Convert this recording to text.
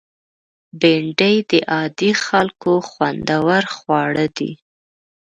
بېنډۍ د عادي خلکو خوندور خواړه دي